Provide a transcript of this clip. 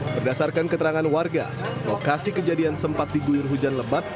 berdasarkan keterangan warga lokasi kejadian sempat diguyur hujan lebat